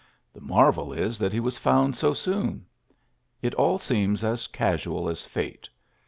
The marvel is that he was found so soon. It all seems as casual as fate.